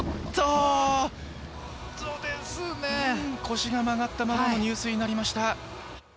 腰が曲がったままの入水になりました。